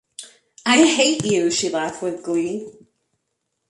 “I hate you!” She laughed with glee.